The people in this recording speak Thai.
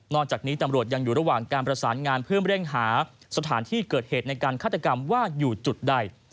จากนี้ตำรวจยังอยู่ระหว่างการประสานงานเพื่อเร่งหาสถานที่เกิดเหตุในการฆาตกรรมว่าอยู่จุดใด